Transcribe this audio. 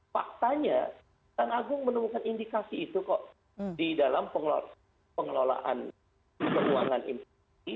faktanya kejaksaan agung menemukan indikasi itu kok di dalam pengelolaan penguangan impulsi